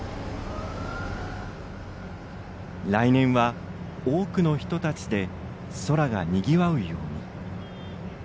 「来年は多くの人たちで空がにぎわうように」。